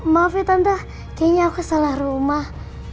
maaf ya tante kayaknya aku salah rumah